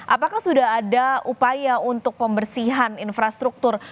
apakah sudah ada upaya untuk pembersihan infrastruktur